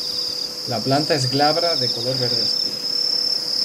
La planta es glabra de color verde oscuro.